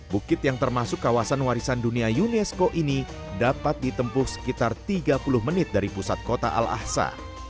bukit yang termasuk kawasan warisan dunia unesco ini dapat ditempuh sekitar tiga puluh menit dari pusat kota al ahsa